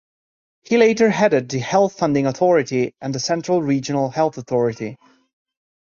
He later headed the Health Funding Authority and the Central Regional Health Authority.